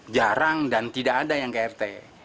jarang dan tidak ada yang ke rt